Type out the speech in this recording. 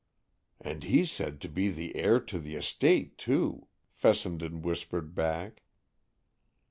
"And he's said to be the heir to the estate, too," Fessenden whispered back.